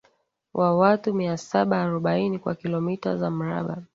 Wa watu mia saba arobaini kwa kilomita za mraba